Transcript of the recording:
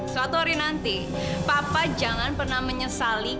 suatu hari nanti papa jangan pernah menyesali